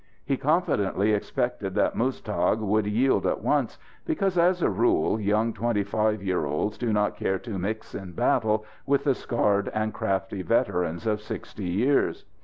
He confidently expected that Muztagh would yield at once, because as a rule young twenty five year olds do not care to mix in battle with the scarred and crafty veterans of sixty years.